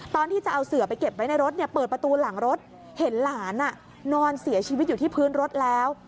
ตอนที่จะเอาเสือไปเก็บไว้ในรถเปิดประตูหลังรถเห็นหลานนอนเสียชีวิตอยู่ที่พื้นรถแล้ว